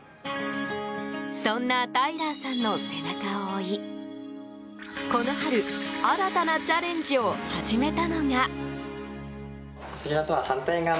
そんなタイラーさんの背中を追いこの春、新たなチャレンジを始めたのが。